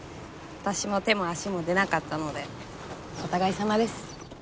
私も手も足も出なかったのでお互いさまです。